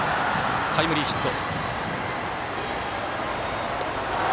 タイムリーヒット。